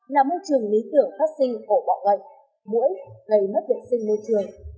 là môi trường lý tưởng phát sinh cổ bọ gậy mũi gầy mất điện sinh môi trường